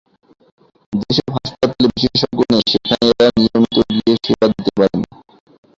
যেসব হাসপাতালে বিশেষজ্ঞ নেই, সেখানে এঁরা নিয়মিত গিয়ে সেবা দিতে পারেন।